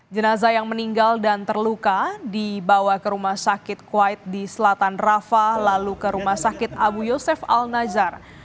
jenazah yang meninggal dan terluka dibawa ke rumah sakit kuwait di selatan rafa lalu ke rumah sakit abu yosef al nazar